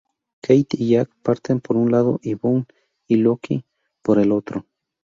Kate y Jack parten por un lado, Boone y Locke por el otro.